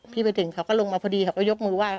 ไปถึงเขาก็ลงมาพอดีเขาก็ยกมือไห้